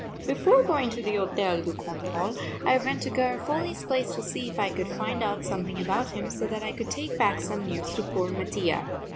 Before going to the Hotel du Cantal I went to Garofoli's place to see if I could find out something about him so that I could take back some news to poor Mattia.